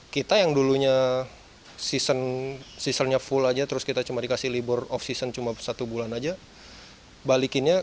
kita yang dulunya season seasonnya full aja terus kita cuma dikasih libur off season cuma satu bulan aja balikinnya